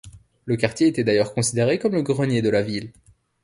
Le quartier était d’ailleurs considéré comme le grenier de la ville.